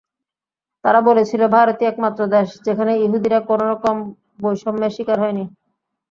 তারা বলেছিল, ভারতই একমাত্র দেশ, যেখানে ইহুদিরা কোনো রকম বৈষম্যের শিকার হয়নি।